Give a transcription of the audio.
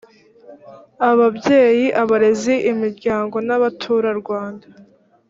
ababyeyi abarezi imiryango n’abaturarwanda